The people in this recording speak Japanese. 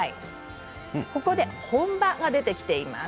ここで本葉が出てきています。